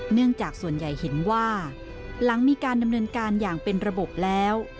เนื่องจากส่วนใหญ่เห็นว่าหลังมีการดำเนินการอย่างเป็นระบบแล้ว